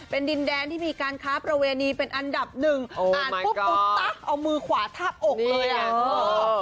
เป็นดินแดนที่มีการค้าประเวณีเป็นอันดับหนึ่งอ่านปุ๊บอุ๊ดตั๊กเอามือขวาทาบอกเลยอ่ะ